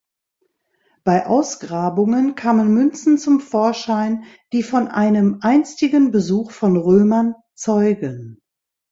Bei Ausgrabungen kamen Münzen zum Vorschein, die von einem einstigen Besuch von Römern zeugen.